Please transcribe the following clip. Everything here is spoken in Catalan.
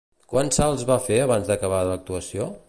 Quants salts va fer abans d'acabar l'actuació?